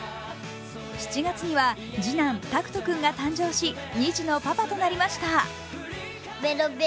７月には次男・大空翔君が誕生し、２児のパパとなりました。